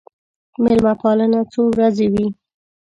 مېلمه پالنه څو ورځې وي.